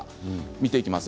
見ていきます。